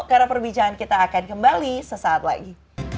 karena perbicaraan kita akan kembali sesaat lagi